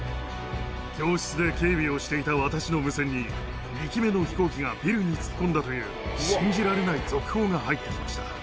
教室で警備をしていた私の無線に、２機目の飛行機がビルに突っ込んだという信じられない続報が入ってきました。